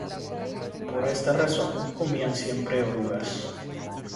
Por esta razón, comían siempre orugas.